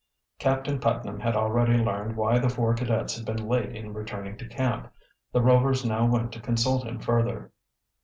Captain Putnam had already learned why the four cadets had been late in returning to camp. The Rovers now went to consult him further.